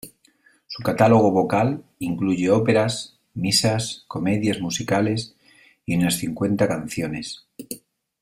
Su catálogo vocal incluye óperas, misas, comedias musicales y unas cincuenta canciones.